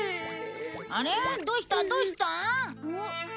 あれどうしたどうした？